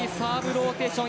ローテーション